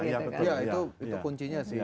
iya itu kuncinya sih